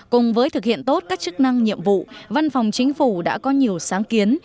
cùng với thực hiện tốt các chức năng nhiệm vụ văn phòng chính phủ đã có nhiều sáng kiến